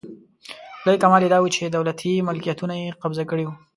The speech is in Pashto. لوی کمال یې داوو چې دولتي ملکیتونه یې قبضه کړي وو.